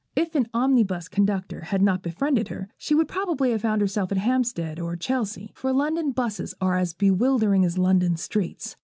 If an omnibus conductor had not befriended her, she would probably have found herself at Hampstead or Chelsea, for London busses are as bewildering as London streets.